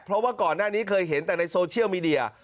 เพราะว่าก่อนหน้านี้เคยเห็นแต่ในโซเชียลมีเดีย